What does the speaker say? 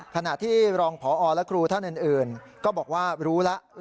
ขณะที่รองพอและครูท่านอื่นก็บอกว่ารู้แล้ว